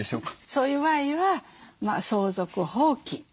そういう場合は相続放棄。